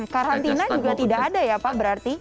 karantina juga tidak ada ya pak berarti